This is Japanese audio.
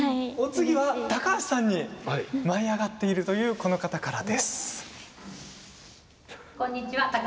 次は高橋さんに舞い上がっているというこの方からです。